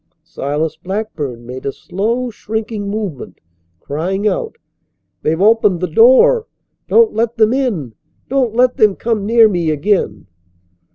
Silas Blackburn made a slow, shrinking movement, crying out: "They've opened the door! Don't let them in. Don't let them come near me again."